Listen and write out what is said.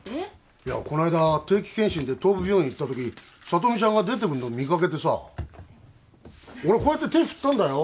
いやこの間定期検診で東武病院行った時聡美ちゃんが出てくるの見かけてさ俺こうやって手振ったんだよ？